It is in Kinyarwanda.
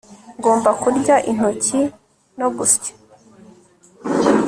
Ngomba kurya intoki no gusya